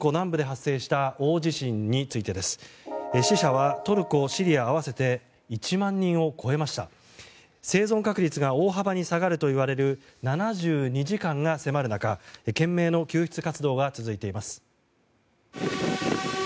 生存確率が大幅に下がるといわれる７２時間が迫る中、懸命の救出活動が続いています。